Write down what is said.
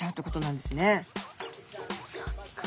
そっか。